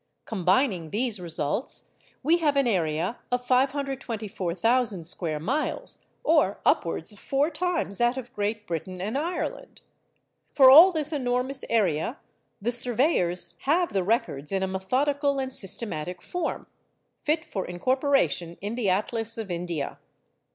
Combining these results, we have an area of 524,000 square miles, or upwards of four times that of Great Britain and Ireland. For all this enormous area the surveyors have the records in a methodical and systematic form, fit for incorporation in the atlas of India.